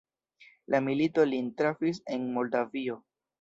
La milito lin trafis en Moldavio.